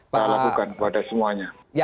kita lakukan kepada semuanya